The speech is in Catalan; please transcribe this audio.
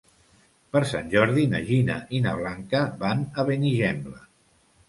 Per Sant Jordi na Gina i na Blanca van a Benigembla.